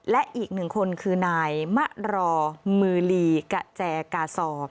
และอีกหนึ่งคนคือนายมะรอมือลีกะแจกาซอ